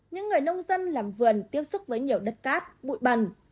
những người nông dân làm vườn tiếp xúc với nhiều đất cát bụi bần